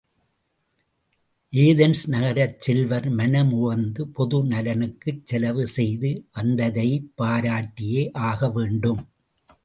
Athens நகரச் செல்வர் மனமுவந்து பொது நலனுக்குச் செலவு செய்து வந்ததைப் பாராட்டியே ஆகவேண்டும்.